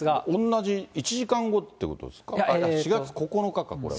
同じ、１時間後ってことですか、４月９日か、これは。